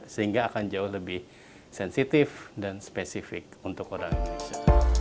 sehingga akan jauh lebih sensitif dan spesifik untuk orang indonesia